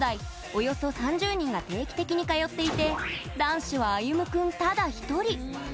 およそ３０人が定期的に通っていて男子は、あゆむ君ただ１人。